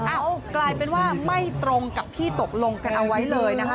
กลายเป็นว่าไม่ตรงกับที่ตกลงกันเอาไว้เลยนะคะ